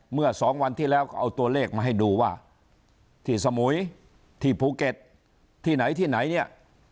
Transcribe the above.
เมื่อสองวันที่แล้วก็เอาตัวเลขมาให้ดูว่าที่สมุยที่ภูเก็ตที่ไหนที่ไหนเนี่ย